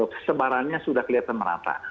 kesebarannya sudah kelihatan merata